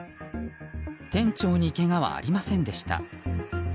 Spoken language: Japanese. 店長にけがはありませんでした。